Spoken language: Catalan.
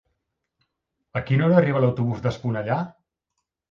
A quina hora arriba l'autobús d'Esponellà?